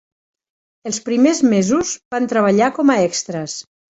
Els primers mesos van treballar com a extres.